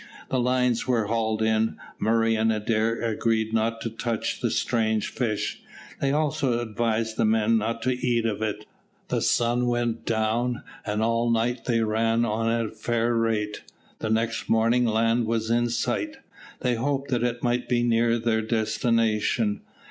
The lines were hauled in. Murray and Adair agreed not to touch the strange fish. They also advised the men not to eat of it. The sun went down, and all night they ran on at a fair rate. The next morning land was in sight. They hoped that it might be near their destination.